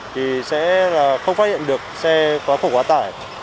thì sẽ không phát hiện được xe quá khổ quá tải